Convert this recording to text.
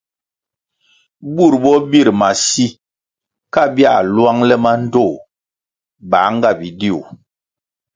Bur bo bir masi, ka bia lwang le mandtoh bā nga bidiu.